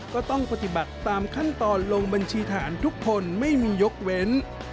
ก็ต้องปฏิบัติตามขั้นตอนลงบัญชีทหารทุกคนไม่มียกเว้น